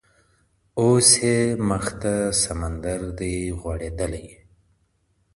اوس یې مخ ته سمندر دی غوړېدلی